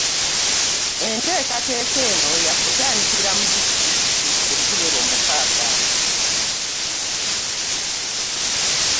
Enteekateeka eno ya kutandikira mu disitulikiti eziwera mukaaga.